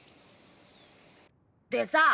でさ